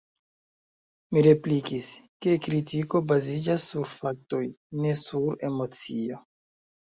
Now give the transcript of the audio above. Mi replikis, ke kritiko baziĝas sur faktoj, ne sur emocio.